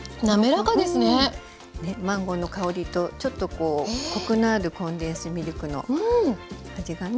マンゴーの香りとちょっとこうコクのあるコンデンスミルクの味がね